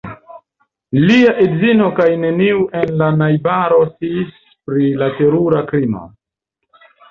Lia edzino kaj neniu en la najbaro sciis pri la terura krimo.